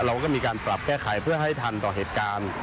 เราก็มีการปรับแก้ไขเพื่อให้ทันต่อเหตุการณ์